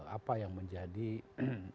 apa yang menjadi kekuasaan